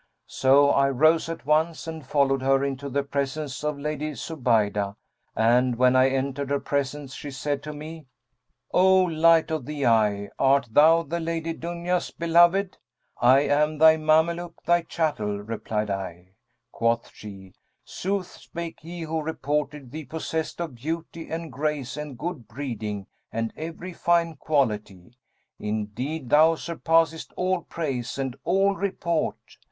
So I rose at once and followed her into the presence of the Lady Zubaydah and, when I entered her presence she said to me, 'O light of the eye, art thou the Lady Dunya's beloved?' 'I am thy Mameluke, thy chattel,' replied I. Quoth she, 'Sooth spake he who reported thee possessed of beauty and grace and good breeding and every fine quality; indeed, thou surpassest all praise and all report.